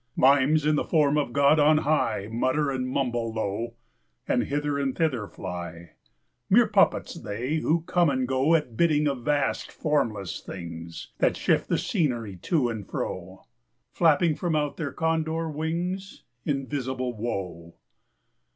Mimes, in the form of God on high, Mutter and mumble low, And hither and thither fly—Mere puppets they, who come and goAt bidding of vast formless thingsThat shift the scenery to and fro, Flapping from out their Condor wingsInvisible Woe!